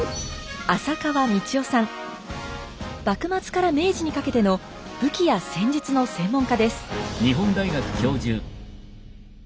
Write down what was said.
幕末から明治にかけての武器や戦術の専門家です。